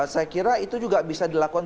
saya kira itu juga bisa dilakukan